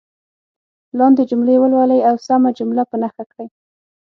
لاندې جملې ولولئ او سمه جمله په نښه کړئ.